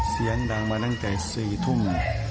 เสียงดังมาตั้งแต่๔ทุ่ม